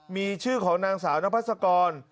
มีชื่อของนางสาวนพัศกร